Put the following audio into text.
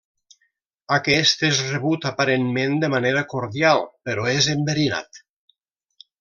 Aquest és rebut aparentment de manera cordial, però és enverinat.